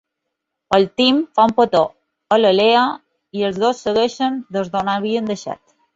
El Tim fa un petó a la Leah, i els dos segueixen des d'on ho havien deixat.